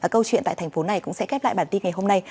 câu chuyện tại thành phố này cũng sẽ khép lại bản tin ngày hôm nay